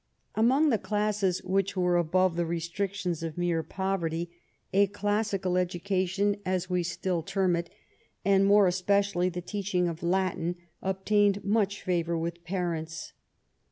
Among the classes which were above the restrictions of mere poverty, a classical education, as we still term it, and more especially the teaching of Latin, obtained much favor with parents.